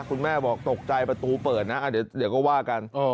คุณแม่บอกตกใจประตูเปิดนะเดี๋ยวก็ว่ากัน